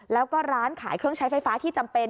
แล้วก็ร้านขายเครื่องใช้ไฟฟ้าที่จำเป็น